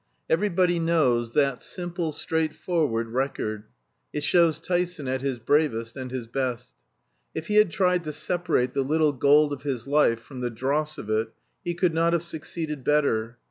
Everybody knows that simple straightforward record; it shows Tyson at his bravest and his best. If he had tried to separate the little gold of his life from the dross of it he could not have succeeded better.